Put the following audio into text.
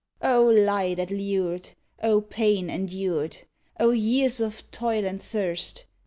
O lie that lured! O pain endured! O years of toil and thirst!